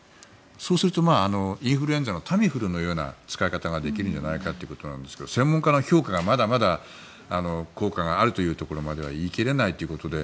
そうすると、インフルエンザのタミフルのような使い方ができるんじゃないかということですが専門家の評価がまだまだ効果があるというところまでは言い切れないということで。